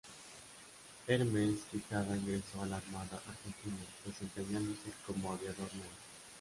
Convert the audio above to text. Hermes Quijada ingresó a la Armada Argentina, desempeñándose como aviador naval.